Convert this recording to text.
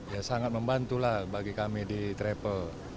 ya sangat membantulah bagi kami di treple